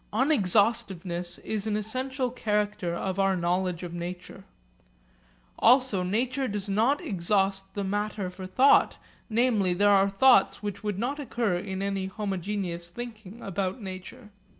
Unexhaustiveness is an essential character of our knowledge of nature. Also nature does not exhaust the matter for thought, namely there are thoughts which would not occur in any homogeneous thinking about nature.